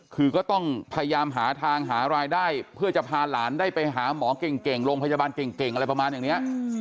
คือก็ต้องพยายามหาทางหารายได้เพื่อจะพาหลานได้ไปหาหมอเก่งโรงพยาบาลเก่งอะไรประมาณอย่างนี้